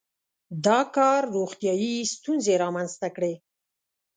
• دا کار روغتیايي ستونزې رامنځته کړې.